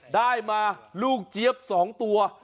ได้มาลูกเจี๊ยบ๒ตัว